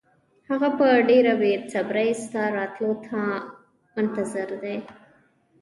هغه په ډېره بې صبرۍ ستا راتلو ته منتظر دی.